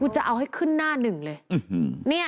จะเอาให้ขึ้นหน้าหนึ่งเลย